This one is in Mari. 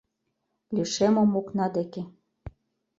Лишемым окна деке.